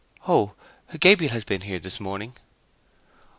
"Oh! Gabriel has been here this morning!"